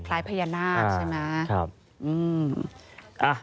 คล้ายพญานาคใช่ไหมครับอืมอืม